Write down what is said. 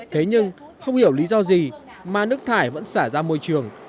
thế nhưng không hiểu lý do gì mà nước thải vẫn xả ra môi trường